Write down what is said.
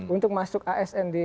untuk masuk asn di